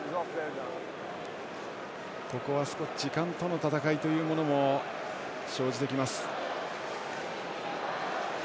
ここは時間との闘いというものも生じてきます。